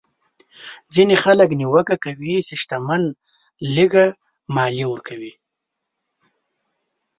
ځینې خلک نیوکه کوي چې شتمن لږه مالیه ورکوي.